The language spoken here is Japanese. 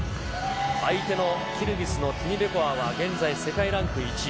相手のキルギスのティニベコワは現在、世界ランク１位。